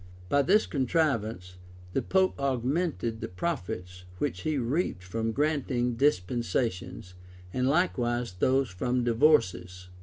[] By this contrivance, the pope augmented the profits which he reaped from granting dispensations, and likewise those from divorces.